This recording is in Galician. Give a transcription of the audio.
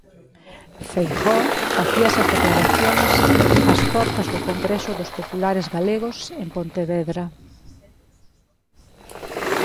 Feijóo facía esas declaracións ás portas do congreso dos populares galegos en Pontevedra.